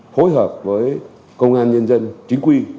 phối hợp với công an nhân dân chính quy